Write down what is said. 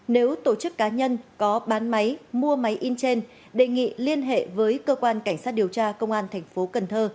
nếu tổ chức cá nhân có bán máy mua máy in trên đề nghị liên hệ với cơ quan cảnh sát điều tra công an thành phố cần thơ